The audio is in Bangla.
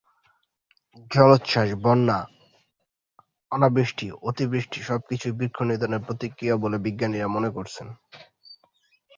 জলোচ্ছাস, বন্যা, অনাবৃষ্টি, অতিবৃষ্টি সব কিছুই বৃক্ষনিধণের প্রতিক্রিয়া বলে বিজ্ঞানীরা মনে করছেন।